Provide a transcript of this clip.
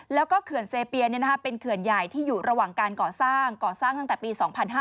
แล้วก็เขื่อนเซเปียเป็นเขื่อนใหญ่ที่อยู่ระหว่างการก่อสร้างก่อสร้างตั้งแต่ปี๒๕๕๙